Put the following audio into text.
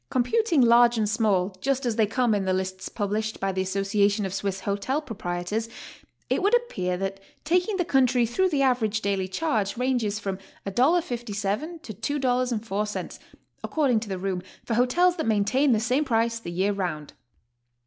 Computing large and small just as they come in the lisits pub lished by the Association of Swiss Hotel Proprietors, it would appear that taking the country through the average daily charge ranges from $1.57 to $2.04, according to the room, for hotels that maintain the same price the year round.